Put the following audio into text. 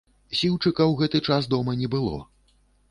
Сіўчыка ў гэты час дома не было.